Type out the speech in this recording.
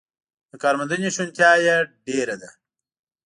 د کارموندنې شونتیا یې ډېره ده.